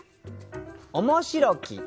「おもしろき」。